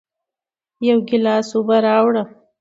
یو گیلاس اوبه راوړه